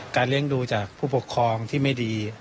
เลี้ยงดูจากผู้ปกครองที่ไม่ดี